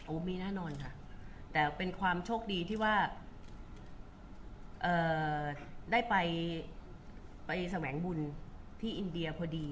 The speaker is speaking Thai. มีแน่นอนค่ะแต่เป็นความโชคดีที่ว่าได้ไปแสวงบุญที่อินเดียพอดี